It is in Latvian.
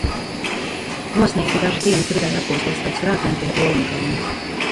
Plostnieki dažas dienas gribēja atpūsties pēc krācēm pie Oliņkalna.